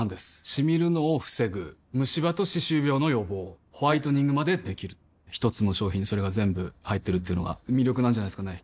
シミるのを防ぐムシ歯と歯周病の予防ホワイトニングまで出来る一つの商品にそれが全部入ってるっていうのが魅力なんじゃないですかね